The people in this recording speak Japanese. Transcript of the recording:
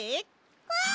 うん！